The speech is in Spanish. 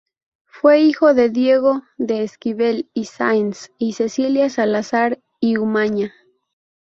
Fue hijo de Diego de Esquivel y Sáenz y Cecilia Salazar y Umaña.